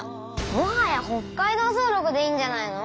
もはや北海道すごろくでいいんじゃないの？